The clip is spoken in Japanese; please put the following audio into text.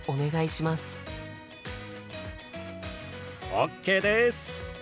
ＯＫです！